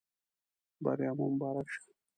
بریا مو مبارک شه.